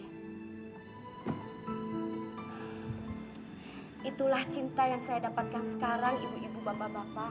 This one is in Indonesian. hai itulah cinta yang saya dapatkan sekarang ibu ibu bapak bapak